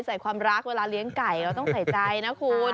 ใส่ความรักเวลาเลี้ยงไก่เราต้องใส่ใจนะคุณ